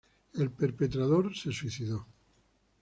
El perpetrador se suicidó.